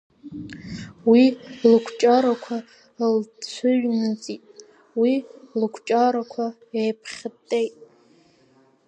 Уи лыкәҷарақәа лцәыҩныҵит, уи лыкәҷарақәа еиԥхьыттеит.